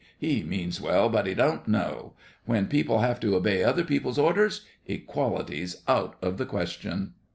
He means well, but he don't know. When people have to obey other people's orders, equality's out of the question.